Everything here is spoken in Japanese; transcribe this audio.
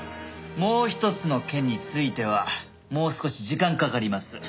もう一つの件についてはもう少し時間かかります。